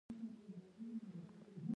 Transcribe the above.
خو دا ډوډۍ ځکه توکی نه دی.